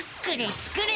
スクれ！